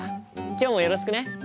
今日もよろしくね。